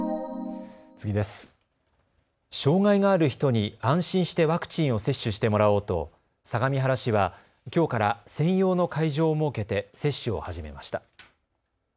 障害がある人に安心してワクチンを接種してもらおうと相模原市は、きょうから専用の会場を設けて接種を始めました。